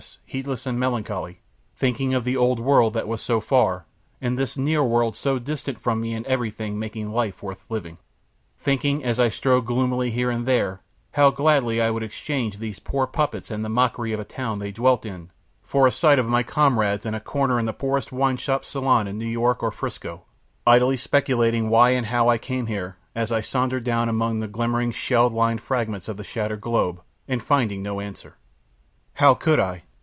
To and fro I walked, heedless and melancholy, thinking of the old world, that was so far and this near world so distant from me in everything making life worth living, thinking, as I strode gloomily here and there, how gladly I would exchange these poor puppets and the mockery of a town they dwelt in, for a sight of my comrades and a corner in the poorest wine shop salon in New York or 'Frisco; idly speculating why, and how, I came here, as I sauntered down amongst the glistening, shell like fragments of the shattered globe, and finding no answer. How could I?